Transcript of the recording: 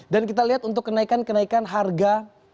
dan kita lihat untuk kenaikan kenaikan harga